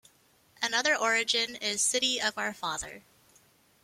Another origin is "City of our father".